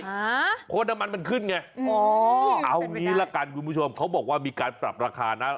เพราะว่าน้ำมันมันขึ้นไงอ๋อเอางี้ละกันคุณผู้ชมเขาบอกว่ามีการปรับราคานะ